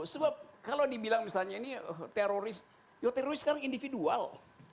sebab kalau dibilang misalnya ini teroris ya teroris sekarang individual